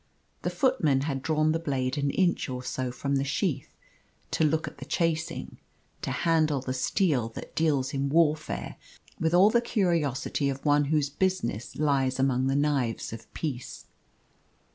The footman had drawn the blade an inch or so from the sheath to look at the chasing to handle the steel that deals in warfare with all the curiosity of one whose business lies among the knives of peace.